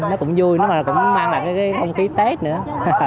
nó cũng vui nó và cũng mang lại cái không khí tết nữa